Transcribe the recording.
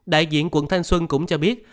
đại diện quận thanh xuân cũng cho biết